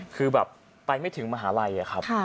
คือแบบไปไม่ถึงมหาลัยอะครับ